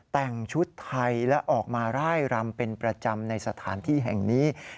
แต่งชุดไทยและออกมาร่ายรำเป็นประจำในสถานที่แห่งนี้